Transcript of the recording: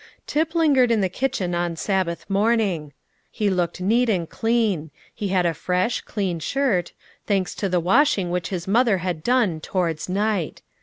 Tip lingered in the kitchen on Sabbath morning. He looked neat and clean; he had a fresh, clean shirt, thanks to the washing which his mother had done "towards night."